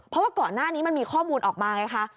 เพราะว่าก่อนหน้านี้มันมีข้อมูลออกมาไงคะ